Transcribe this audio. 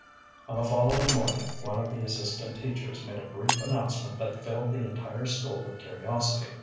On the following morning one of the assistant teachers made a brief announcement that filled the entire school with curiosity.